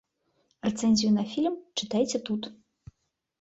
Рэцэнзію на фільм чытайце тут.